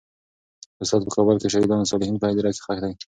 استاد په کابل کې د شهدا صالحین په هدیره کې خښ دی.